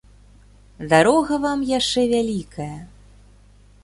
Дарога вам яшчэ вялікая.